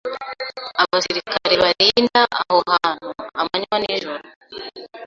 Abasirikare barinda aho hantu amanywa n'ijoro.